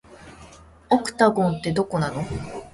オクタゴンって、どこなの